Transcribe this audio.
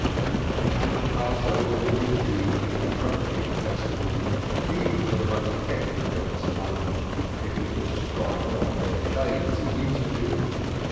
The coming Passover would, indeed, be an appropriate festival even for the most heterodox among them if we could strike oft their chains in the interim.